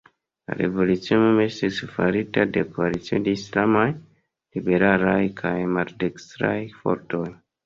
La revolucio mem estis farita de koalicio de islamaj, liberalaj kaj maldekstraj fortoj.